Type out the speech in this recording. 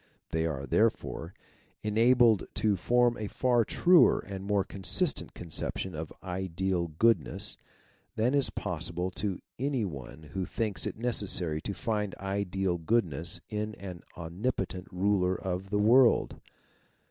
They are, therefore, enabled to form a far truer and more consistent conception of Ideal Goodness, than is possible to any one who thinks it necessary to find ideal goodness in an omni potent ruler of the world.